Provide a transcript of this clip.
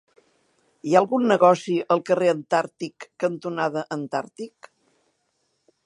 Hi ha algun negoci al carrer Antàrtic cantonada Antàrtic?